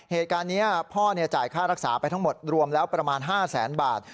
เหตุการณ์นี้พ่อจ่ายค่ารักษาไปทั้งหมดรวมแล้วประมาณ๕แสนบาท